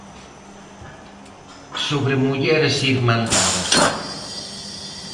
Sobre mulleres irmandadas.